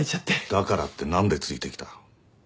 だからって何でついてきた？